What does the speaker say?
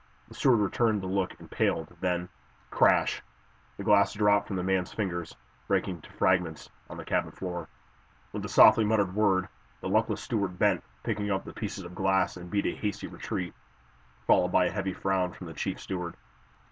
The steward returned the look and paled, then Crash! The glass dropped from the man's fingers, breaking to fragments on the cabin floor. With a softly muttered word, the luckless steward bent, picked up the pieces of glass and beat a hasty retreat, followed by a heavy frown from the chief steward.